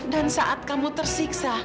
dan saat kamu tersiksa